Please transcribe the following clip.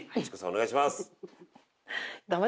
お願いします。